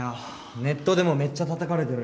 ネットでもめっちゃたたかれてるよ。